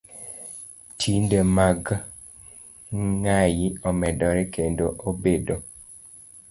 Timbe mag ng'ai omedore kendo obedo